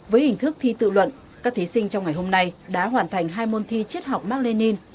với hình thức thi tự luận các thí sinh trong ngày hôm nay đã hoàn thành hai môn thi triết học mạc lê ninh